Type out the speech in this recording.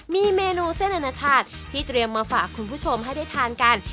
มีเมนูเส้นอนาชาติที่เตรียมมาฝากคุณผู้ชมให้ได้ทานกัน